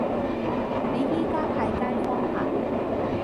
你而家派街坊呀